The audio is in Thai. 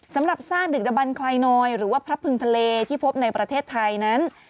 สำหรับซากดึกดบันคลายนอยหรือว่าพระพึงทะเลที่พบในประเทศไทยนั้น